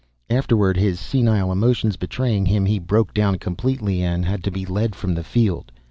Afterward, his senile emotions betraying him, he broke down completely and had to be led from the field.